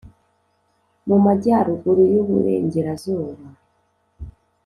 mu majyaruguru y' uburengerazuba